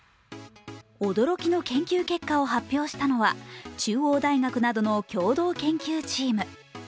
驚きの研究結果を発表したのは中央大学などの共同研究チーム。